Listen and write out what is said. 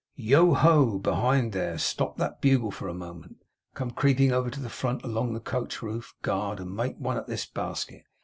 Yoho, behind there, stop that bugle for a moment! Come creeping over to the front, along the coach roof, guard, and make one at this basket!